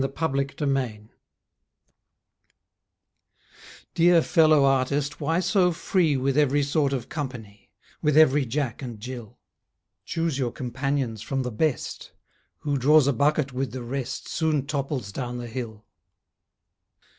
TO A YOUNG BEAUTY Dear fellow artist, why so free With every sort of company, With every Jack and Jill? Choose your companions from the best; Who draws a bucket with the rest Soon topples down the hill.